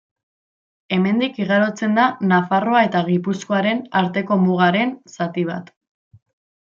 Hemendik igarotzen da Nafarroa eta Gipuzkoaren arteko mugaren zati bat.